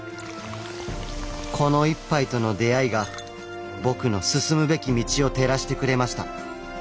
この一杯との出会いが僕の進むべき道を照らしてくれました。